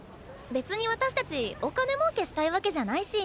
別に私たちお金儲けしたいわけじゃないし。